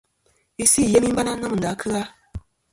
Isɨ i yemi bana nomɨ nda kɨ-a.